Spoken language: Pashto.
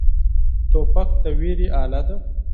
توپک د ویرې اله دی.